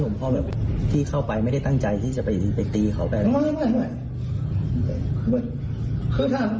ไม่คิดถึงความเป็นอะไรแล้วก็เป็นความ